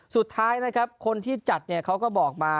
สุดท้ายนะครับคนที่จัดเนี่ยเขาก็บอกมา